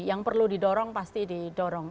yang perlu didorong pasti didorong